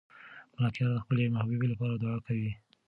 ملکیار د خپلې محبوبې لپاره دعا کوي.